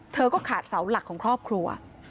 เธอก็ขาดเสาหลักของครอบครัว